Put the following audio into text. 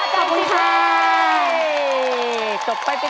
ขอเสียงใหม่เลย